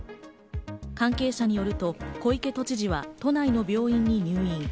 関係者によると小池都知事は都内の病院に入院。